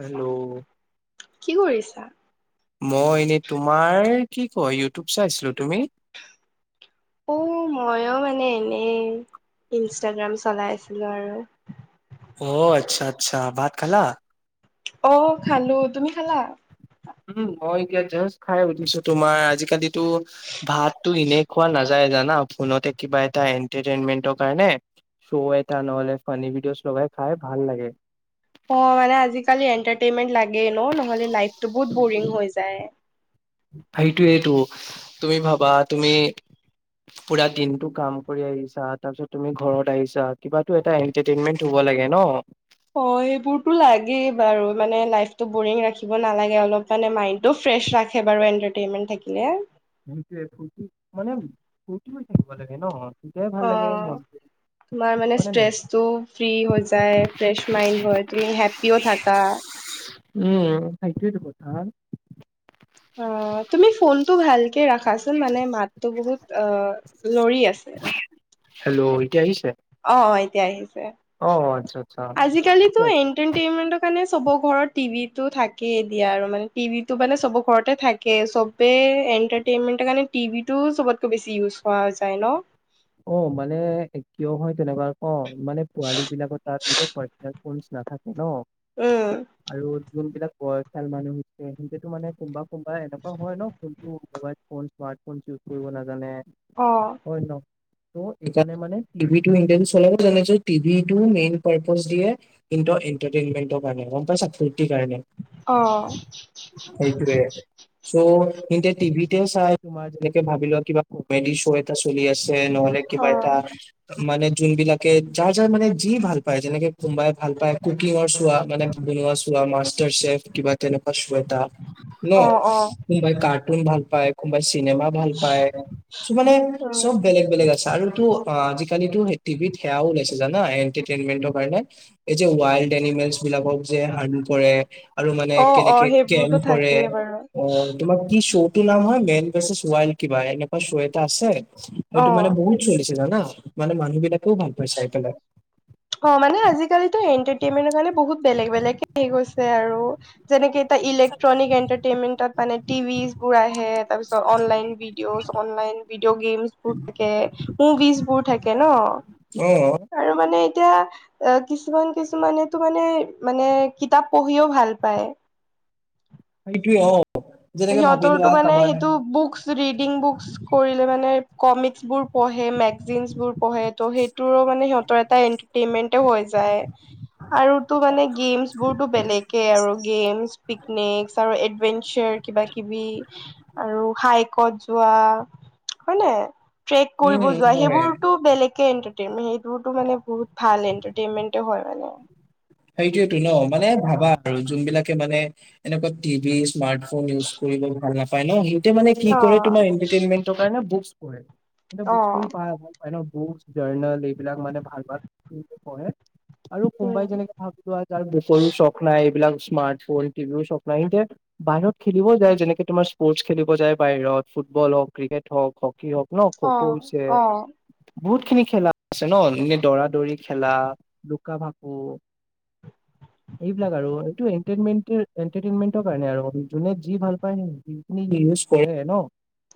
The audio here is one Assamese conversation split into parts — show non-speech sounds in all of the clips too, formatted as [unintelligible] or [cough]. হেল্ল' কি কৰিছা? মই এনে তোমাৰ কি কয় ই যুটোপ চাইছিলো, তুমি? এনে এনেই ইনষ্টাগ্ৰাম চলাই আছিলো আৰু। অ আচ্ছা আচ্ছা ভাত খালা? অ খালো তুমি? খালা? উম মই এতিয়া জাষ্ট খাই উঠিছো। তোমাৰ আজিকালি টো ভাত টো এনে খোৱা নাযা যায় জানা ফোনতে কিবা এটা এণ্টাৰটেইনমেন্টৰ কাৰণে শ্ব' এটা নহ'লে ফানি ভিডিঅ'চ লগাই খাই ভাল লাগে। অ মানে আজিকালি এণ্টাৰটেইনমেন্ট লাগেই ন নহলে লাইফটো বহুত বৰিং হৈ যায়। সেইটোৱেইটো তুমি ভাবা তুমি পুৰা দিনটো কাম কৰি আহিছা তাৰ পিছত তুমি ঘৰত আহিছা কিবা এটা এটাৰেইনমেন্ হব লা গে ন। হয় এইবোৰতো লাগেই বাৰু মানে লাইফটো বৰিং ৰাখিব নালাগে অলপ মানে মাইনটো ফ্ৰেছ ৰাখে বাৰু এটাৰটেইনমেন্ট থাকিলে। সেইটোয়ে ফুৰ্তি মানে ফূুৰ্তি হৈ থাকিব লাগে ন তেতিয়াইে ভাল লাগে অ' মনটো। তোমাৰ মানে হয় নে নহয়? ষ্ট্ৰেছটো ফ্ৰী হৈ যায় ফ্ৰেছ মাইণ্ড হয় তুমি হেপ্পিও থাকা। উম সেইটোৱেই কথা। অ তুমি ফোনটো ভাল কে ৰাখাচোন মানে মাতো বহুত অ লৰি আছে। হেল্ল' এতিয়া আহিছে। অ এতিয়া আহিছে অ', আচ্ছা আচ্ছা। ঠিকে আজিকালিতো আছে। এন্টাৰটেইনমেন্টৰ কাৰণে চবৰ ঘৰত টিভি টো থাকেই এতিয়া আৰু মানে টিভি টো মানে চব ঘৰতে থাকে চবে। এন্টাৰটেইনমেন্ট কাৰণে টিভিটো চবতকৈ বেছি ইউজ কৰা যায় ন। অ মানে কিয় হয় তেনেকুৱা ক মানে পোৱালী বিলাকৰ তাত নিজৰ পাৰ্চনেল ফচ নাথাকে ন উম আৰু যোনবিলাক বয়সাল মানুহ হৈছে সেইকেত মানে কোনবা কোনবা এনেকুৱা হয় ন ফোনটো mobile phone smart phone use কৰিব নাজানে অ হয় ন। ত এই কাৰণে মানে টিভি ই চলাব টিভি টো মেইন পাৰজ দিয়ে। কাৰণ গম পাইছা। ঠিকাই ন অ সেইটোৱে চ' কিন্তু টিভিতে চাই তোমাৰ যেনেকে ভাবি লোৱা কিবা কমেডি শ্ব' এটা চলি আছে। নহলে অ কিবা এটা মানে যোন বিলাকে যাৰ যাৰ মানে যি ভাল পায় যেনেকে কোনোবাই ভাল পায় কুকিঙৰ চোৱা মানে। কুকিং চোৱা মাষ্টাৰ চেফ কিবা তেনেকুৱা। এ ন অ অ কোনবাই কাৰ্টুন ভাল পায়, কোনোবাই চিনেমা ভাল পায় চ মানে চব উম বেলেগ-বেলেগ আছে আৰু টো অ', আজিটো টিভিত সেয়া ওলাইছে জানা এটাৰেইনমেন্টৰ কাৰণে এই যে ৱাইল্ড এনিমেলছ বিলাকৰ যে হান কৰে। আৰু মানে অ অ কেনেকে কেম সেইবোৰতো কৰে থাকেই বাৰু অ' তোমাৰ কি শ্ব'তটো নাম হয় মেইন। চল কিবা এনেকুৱা চ এটা আছে সটো মানে অ বহুত চলিছে জানা। মানে মানুহ বিলাকেও ভাল পাইছে চাই পেলাই। অ' মানে আজিকালিটো এনটাৰটেইনমেন্টৰ কাৰণে বহুত বেলেগ-বেলেগে গৈছে আৰু যেনেকে এটা ইলেক্ট্ৰনিক এন্টাৰটেইনমেন্টত মানে টিভি বোৰ আহে তাৰ পিছত অনলাইন ভিডিঅ' অনলাইন। ভিডিঅ গেমোৰ থাকে মুভিচ বোৰ থাকে ন অ আৰু মানে, এতিয়া কিছুমান-কিছুমানে তো মানে-মানে কিতাপ পঢ়িও ভাল পায়। সেইটোৱে অ', যেনেকে ভাবি সিহটো লোৱা মানে কাৰোবাৰ সেইটো বুকচ ৰিদিং বুকছ কৰিলে মানে বোৰ পঢে ম মেগজিন বোৰ পঢ়ে টো সেইটো মানে এটা এণ্টাৰ তেন্মেন্ত হৈ যায়। আৰুতো মানে গেমছ বোৰতটো বেলেগ আৰু গেমছ পিকনিক আৰু এডভেঞ্চাৰ। কিবা-কিবি আৰু হাইকত যোৱা হয়নে। ট্ৰেক কৰিব উম যোৱা হয় সেইবোৰতো বেলেগে এন্টাৰটেইনমেণ্ট সেইবোৰতো মানে। বহুত ভাল এনটাৰটেনমেন্ট হয় মানে। সেইটোয়েতো ন মানে ভাবা আৰু যোন বিলাকে মানে এনেকুৱা টিভি মাক্স ৰ নিউজ কৰিব ভাল নাপাই ন। সিহতঁৰ মানে কি অ কৰে তোমাৰ এনটাৰটেনমেন্ট কাৰনে বুকছ পঢ়ে। অ বুকচ পঢ়ি পাই বুকচ জাৰ্নেল এইবিলাক মানে ভাল-ভাল পঢ়ে। আৰু কোমবাই উম যেনেকে তাৰ বুকৰো চখ নাই এইবিলাক স্মাৰ্টফোন টিভিও চখ নাই সয়া বাহিৰত খেলিবও যায়, যেনেক তোমাৰ স্পৰ্টছ খেলিব যায় বাহিৰত ফুটবল হওক ক্ৰিকেট হওক। হকী হক ন খো অ খো হৈছে অ বহুত খিনি খেলা আছে ন এনে দৰা দৌৰি খেলা, লুকা-ভাকু। [inaudible] এইবিলাক আৰু এনটাৰটেনমেন্ট-এনটাৰটেনমেন্টৰ কাৰণ আৰু যোনে যি ভাল পায় ন। ইউজ কৰে ন।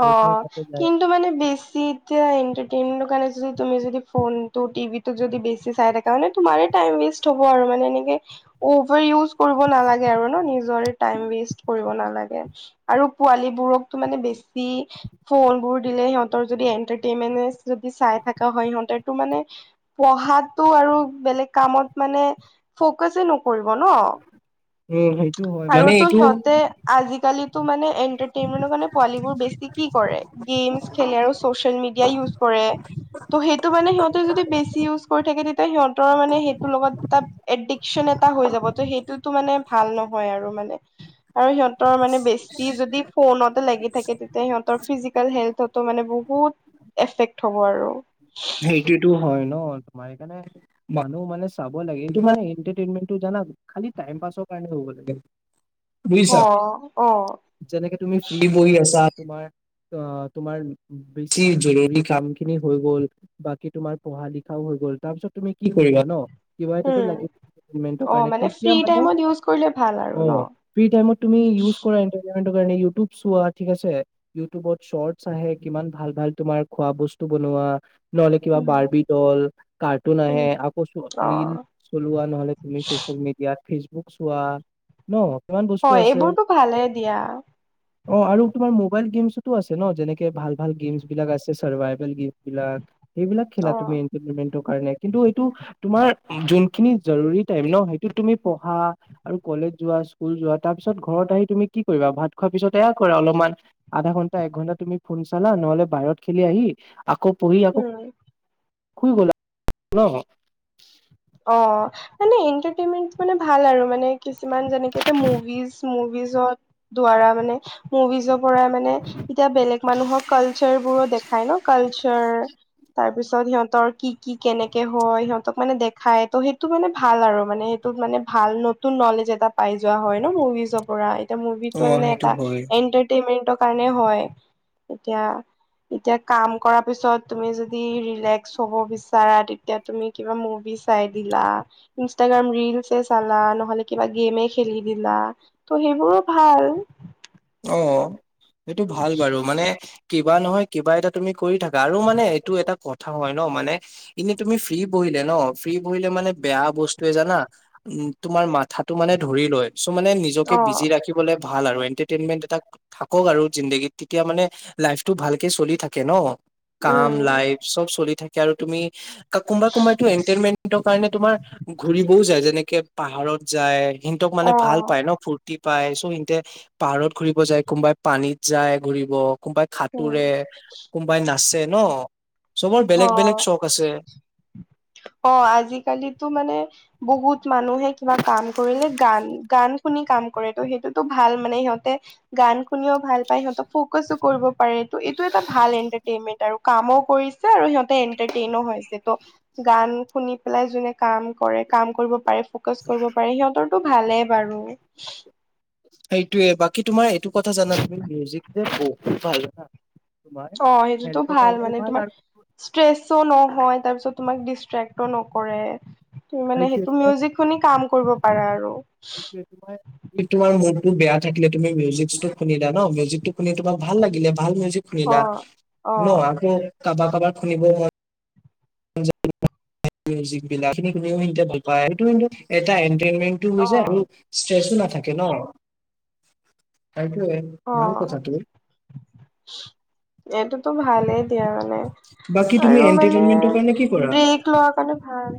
সেইখিনি অ' তাতে যায় কিন্তু মানে বেছি এতিয়া এনটাৰটেনমেন্টৰ কাৰণে যদি তুমি যদি ফোনটো টিভিটোক যদি বেছি চাই থাকা মানে তুমাৰ টাইম ৱেষ্ট হ'ব আৰু মানে এনেক। অভাৰ ইউজ কৰিব নালাগে আৰু ন নিজৰে টাইম ৱেষ্ট কৰিব নালাগে। গে আৰু পোৱালী বোৰকো মানে বেছি, ফোন বোৰ দিলে সিহতৰ যদি এন্টাৰটেইনমেন্ট যদি চাই থকা হয় সিহতেটো মানে। পঢ়াতটো আৰু বেলেগ কামত মানে ফকাচ নকৰিব ন। উম-উম, আৰুতো সিহঁতে আজিকালিটো মানে এন্টাৰটেইনমেন্টৰ কাৰণে পোৱালী বোৰ বেছি কি কৰে? গেম খেলে আৰু চচিয়েল মিডিয়া ইউজ কৰে ত', সেইটো মানে সিহত যদি বেছি ইউজ কৰি থাকে তেতিয়া সিহঁতৰ মানে সেইটোৰ লগত এটা এডিক্যন এটা হৈ যাব ত', সেইটো টো মানে ভাল নহয়। হৈ আৰু মানে আৰু সিহঁতৰ মানে বেছি যদি ফোনতে লাগি থাকে, তেতিয়া সিহঁতৰ ফিজি কেল হেলথটো মানে বহুত এফেক্ট হব আৰু। সেইটি টো হয়'। ন তোমাৰ সেইকাৰণে মানুহ মানে চাব লাগে তোমাৰ এন্টাৰটেইনমেন্টটো জানা খালী টাইম পাছৰ কাৰনে হব লাগে। বুজিছা। অহ-অহ, যেনেকে তুমি ফ্ৰী বহি আছা তোমাৰ অ', তোমাৰ বেছি জৰুৰী কাম খিনি হৈ গ'ল, বাকি তোমাৰ পঢ়া লিখাও হৈ তাৰপিছত তুমি কি কৰিবা ন', কিবা এটা উম লাগিব এন্টাৰটেইনমেন্টৰ অ কাৰনে মানে ফ্ৰী তেতিয়া মানে টাইমত ইউজ কৰিলে ভাল আৰু ন অ', ফি টাইমত তুমি ইউজ কৰা। এণ্টেমেণ্টৰ কাৰনে ইউটিউব চোৱা ঠিকআছে ইউটিউবত শৰ্টচ আহে কিমান ভাল ভাল তোমাৰ খোৱা বস্তু বনোৱা নহ'লে কিবা উম বাৰ্বি ডল, কাৰ্টুন উম আহে আকৌ অ ৰিল চলোৱা নহ'লে তুমি চচে- ল মিডিয়াত, ফেচবুক চোৱা ন'? কিমান বস্তু হয়, আছে। এইবোৰতো ভালে দিয়া। অ', আৰু তোমাৰ মোবাইল গেমছোতো আছে ন, যেনেকে ভাল-ভাল গেমছ বিলাক আছে চাৰভাইভেল গেমছ বিলাক। সেইবিলাক অ', খেলা তুমি এণ্টাৰটেনমেণ্টৰ কাৰণে কিন্তু এইটো- তোমাৰ যোনখিনি জৰুৰী টাইম ন'সেইটোত তুমি পঢ়া আৰু কলেজ যোৱা স্কুল যোৱা তাৰ- পিছত ঘৰত আহি তুমি কি- কৰিবা? ভাত খোৱাৰ পিছত এয়া কৰা অলপমান আধা ঘন্টা এক ঘন্টা তুমি ফোন চালা নহ'লে বাহিৰত খেলি আহি- আকৌ পঢ়ি আকৌ উম, শুই গলা ন'? অ', মানে এণ্টাৰটেইনমেন্ট মানে ভাল আৰু মা- নে কিছুমান যেনেকে এতিয়া, মুভিজ, মুভিজৰ দ্বাৰা মানে মুভিজৰ পৰা মানে এতিয়া বেলেগ মানুহৰ কালচাৰ বোৰো দেখায় ন', কালচাৰ- তাৰ পিছত সিহঁতৰ কি, কি, কেনেকে হয়, সিহঁতক মানে দে- খাই ত', সেইটো মানে ভাল আৰু মানে সেইটোত মানে ভাল নতুন নলেজ এটা পাই যোৱা হয় ন', মুভিজৰ পৰা- তে মুভিটো অ মানে সেইটো এটা হয় এনটাৰটেইনমেন্টৰ কাৰণে হয় তেতিয়া- এতিয়া কাম কৰাৰ পিছত তুমি যদি ৰিলেক্স হব বিচাৰা তেতিয়া তুমি কিবা মুভিজ- চাই দিলা, ইনষ্ট্ৰাগ্ৰাম ৰীলছ এ চালা নহলে কিবা গেমে খেলি দিলা ত', সে- ইবোৰো ভাল। অ', সেইটো ভাল বাৰু মানে কিবা নহয় কিবা এটা তুমি কৰি থাকা আৰু মানে এইটো এটা ক- থা হয় ন, মানে এনে তুমি ফ্ৰী বহিলে ন', ফ্ৰী বহিলে মানে বেয়া বস্তুৱয়ে জানা তোমাৰ মাথাটো মানে ধৰি লয় চ', মানে নিজকে বিজি অ', ৰাখিবলে ভাল আৰু এণ্টে- টেন্মেণ্ট এটা থাকক আৰু জিন্দগীত তেতিয়া মানে লাইফটো ভালকে চলি থাকে ন'? কাম, উম। লাইফ চব চলি থাকে আৰু তুমি কা কোনবা কোনবা টো এন্তেতেন্মেট- ৰ কাৰণে তোমাৰ ঘুৰিবও যায়, যেনেকে পাহাৰত যায়, সিনতক মানে ভাল অ', পায় ন', ফূুৰ্তি পাই চ', সিন্তে পাহাৰত ঘুৰিব যায়, কোনোবাই পানীত যায়, ঘুৰিব, কোনোবাই খাঁতুৰে, উম। কোনোবাই না- চে, ন', চবৰ বেলেগ বেলেগ অ', চখ আছে। অ', আজিকালিতো মানে বহুত মানুহে কিবা কাম কৰিলে গান, গান শুনি কাম কৰে ত', সেইটোতো ভাল মানে সিহঁতে গান শুনিও ভাল পায়, সিহঁতক ফকাচো কৰিব পাৰে। এইটো, এটা ভাল এন্টাৰটেইনমেন্ট আৰু কামো কৰিছে আৰু সিহতে এণ্টাৰটেইনও হৈছে ত', গান শুনি পেলাই যোনে কাম কৰে, কাম কৰিব পাৰে, ফকাচ কৰিব পাৰে, সিহঁতৰ- টো ভালেই বাৰু সেইটোয়ে, বাকী তোমাৰ এইটো কথা জানা তুমি, মিউজিক যে বহুত ভাল জানা? তোমাৰ অ', সেইটোতো হেল্থৰ ভাল কাৰণেও মানে তোমাৰ- আৰু ষ্ট্ৰেছও নহয় তাৰপিছত তোমাক ডিষ্ট্ৰেক্টও নকৰে তুমি মানে সেইটোৱে সেইটো তোমাৰ মিউজিক শুনি কাম কৰিব পাৰা আৰু টো বেয়া থাকিলে তুমি মিউজি'কচ শুনিলা ন', মিজিকটো শুনি তোমাক ভাল লাগিলে ভাল মিউজিক অ শুনিলা অ ন, '? আকৌ কাবাক কাবাক শুনিব মন- [unintelligible] টেইন্মেণ্টও হৈ যায় অ আৰু ষ্ট্ৰেছো নাথাকে ন'। সেইটোৱেই, অ ভাল কথাটো। এইটোতো ভালেই দিয়া মানে বাকী তুমি আৰু মানে এন্টাৰটেইনমেন্টৰ কাৰণে কি কৰা ব্ৰেক লোৱাৰ কাৰণে ভাল।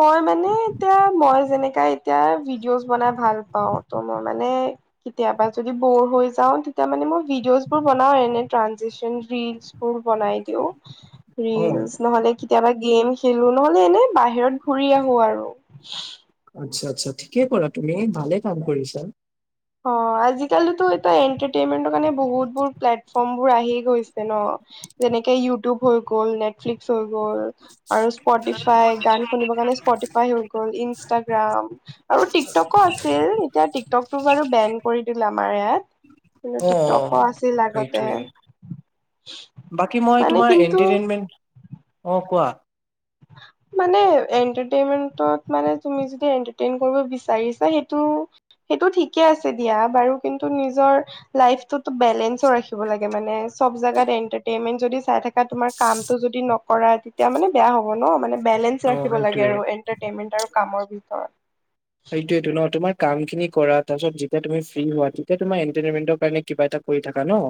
মই মানে এতিয়া মই- যেনেকা এতিয়া ভিডিঅ'ছ বনাই ভাল পাওঁ ত' মই মানে কেতিয়াবা যদি বৰ হৈ- যাওঁ তেতিয়া মানে মই ভিডিঅ'ছ বোৰ বনাওঁ এনে ট্ৰানজেচন ৰিলচ বোৰ বনাই দিওঁ। অ ৰিলচ নহ'লে কেতিয়াবা- গেম খেলো নহলে এনে বাহিৰত ঘূৰি আহো আৰু আচ্ছা আচ্ছা ঠিকে কৰা তুমি ভালে কাম কৰিছা। অ আজিকালিটো এটা এন্টাৰটেইনমেন্টৰ কাৰণে বহুত বোৰ প্লেটফৰ্ম বোৰ আহি গৈছে ন। যেনেকে ইউটিউব হৈ গ'ল নেটফ্লিক্স হৈ গ'ল ল আৰু স্পটিফাই গান শুনিব কাৰণে স্পটিফাই হৈ গ'ল ইনষ্টাগ্ৰাম আৰু টিকটকো আছিল এতিয়া টিকটকটো বাৰু বেন কৰি দিল আমাৰ ইয়াত। কিন্তু অ টিক টকো আছিল আগতে। সেইটোৱে বাকী মই মানে তোমাৰ কিন্তু এনটাৰটেইনমেন্ট অ কোৱা হয়। মানে এনটাৰটেইনমেন্টত মানে তুমি যদি এনটাৰটেইনমেন্টত কৰিব বিচাৰিচা সেইটো সেইটো ঠিকে আছে দিয়া বাৰু কিন্তু নিজৰ লাইফটো টো বেলেঞ্চ ৰাখিব লাগে মানে। চব জেগাত এন্টাৰটেইনমেন্ট যদি চাই থাকা তোমাৰ কামটো যদি নকৰা তেতিয়া মানে বেয়া হ'ব ন মানে। বেলেঞ্চ অ ৰাখিব লাগে সেইটোয়ে আৰু এন্টাৰটেইনমেন্ট আৰু কামৰ ভিতৰত। সেইটোটো ন তোমাৰ কাম খিনি কৰা তাৰ পিছত যেতিয়া তুমি ফ্ৰী হোৱা তেতিয়া তুমি এন্টাৰটেইনমেন্ট কাৰণে কিবা এটা কৰি থাকা ন।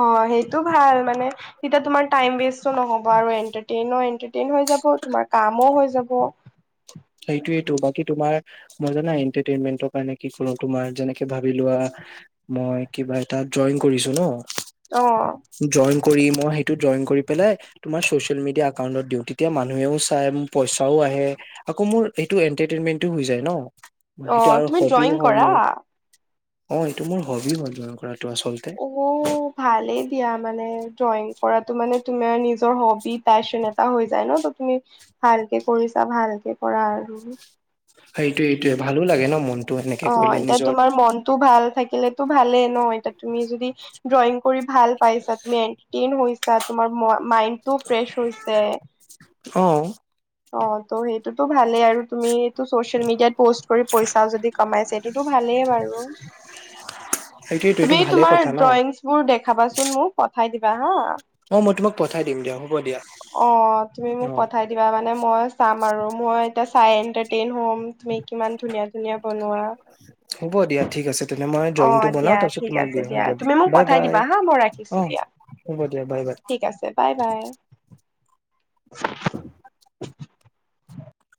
অ সেইটো ভাল মানে তেতিয়া তোমাৰ টাইম ৱেষ্টো নহব আৰু এন্টাৰটেইনমেন্ট হৈ যাব তোমাৰ কাম যাব। সেইটোৱেই টো বাকী তোমাৰ মই জানা এটাৰটেইনমেন্টৰ কাৰণে কি কৰো তোমাৰ যেনেকে ভাবি লোৱা মই কিবা এটা জইন কৰিছো অ ন জইন কৰি মই জইন কৰি পেলাই তোমাৰ চচিয়েল মিডিয়া একাউন্টত দিওঁ তেতিয়া মানুহেও চাই পইচাও আহে। আকৌ মোৰ সেইটো এনটাৰটেইনমেন্টো হৈ যায় ন অ সেইটো আৰু তুমি হবিও ড্ৰয়িং হয় কৰা মোৰ। অ এইটো মোৰ হবি জইন কৰা। অ ভালেই দিয়া মানে জইন কৰা টো মানে তোমাৰ নিজৰ হবি ফেশ্বন এটা হৈ যায় ন ত তুমি এটা ভালকে কৰা আৰু। সেইটোয়েই টো ভালো লাগে ন মন। অ এতিয়া তোমাৰ মনতটো ভাল থাকিলেতো ভালেই ন এতিয়া তুমি যদি ড্ৰয়িং কৰি ভাল পাইছা তুমি এনটাৰটেইন হৈছা তোমাৰ মাইণ্ড এইটো ফ্ৰেছ হৈছে। অ অ ত' সেইটোতো ভালেই আৰু তুমি এইটো ছচিয়েল মিডিয়াত পষ্ট কৰি পইচা যদি কমাইছে সটোতো ভালেই বাৰু। সেইটোয়েতো এইটো তুমি ভালে তোমাৰ কথা ন ড্ৰয়িংছ বোৰ দেখাবাচোন মোক পঠাই দিবা হা। অ মই তোমাক পঠাই দিম দিয়া হ'ব দিয়া অ তুমি মোক অ পঠাই দিবা মানে মই চাম আৰু মই এতিয়া চাই এন্টাৰটেইন হম তুমি কিমান ধুনীয়া ধুনীয়া বনোৱা। হ'ব দিয়া ঠিক আছে তেনে মই অ ড্ৰয়িংটো বনাও দিয়া তাৰপিছত ঠিক তোমাক আছে দিম দিয়া হ'ব তুমি মোক বাই পঠাই বাই দিবা হা মই ৰাখিছো অ দিয়া। হ'ব দিয়া বাই বাই ঠিক আছে বাই বাই।